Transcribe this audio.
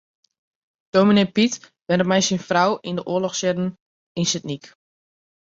Dominee Pyt wennet mei syn frou yn de oarlochsjierren yn Sint Nyk.